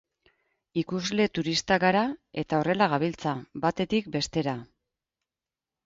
Ikusle turistak gara, eta horrela gabiltza, batetik bestera.